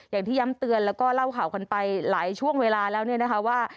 อย่างที่ย้ำเตือนแล้วก็เล่าข่าวกันไปหลายช่วงเวลาแล้วเนี่ยนะคะว่า